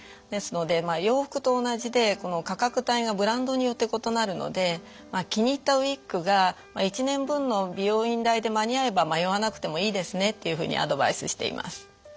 ですので洋服と同じでこの価格帯がブランドによって異なるので気に入ったウイッグが１年分の美容院代で間に合えば迷わなくてもいいですねっていうふうにアドバイスしています。